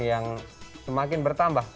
yang semakin bertambah